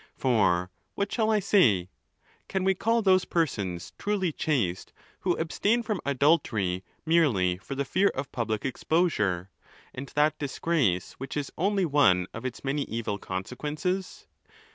For what shall I say? Can we call those persons truly chaste, who abstain from adultery merely for the fear of public exposure, and that disgrace which is only one of its many evil consequences?